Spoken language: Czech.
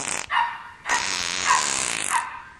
Kromě pistole útočil také nožem.